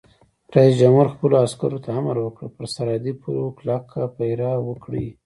رئیس جمهور خپلو عسکرو ته امر وکړ؛ پر سرحدي پولو کلک پیره وکړئ!